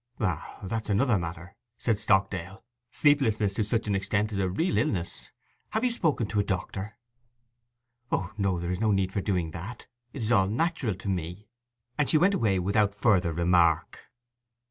'Ah, that's another matter,' said Stockdale. 'Sleeplessness to such an alarming extent is real illness. Have you spoken to a doctor?' 'O no—there is no need for doing that—it is all natural to me.' And she went away without further remark.